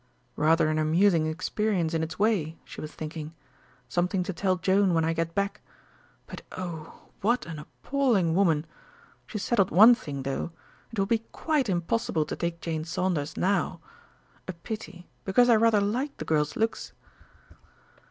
"Rather an amusing experience in its way," she was thinking. "Something to tell Joan when I get back. But oh! what an appalling woman! She's settled one thing, though. It will be quite impossible to take Jane Saunders now. A pity because I rather liked the girl's looks!"